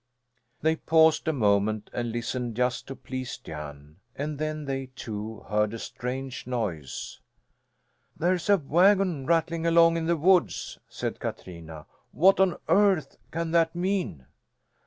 They paused a moment and listened, just to please Jan. And then they, too, heard a strange noise. "There's a wagon rattling along in the woods," said Katrina. "What on earth can that mean?"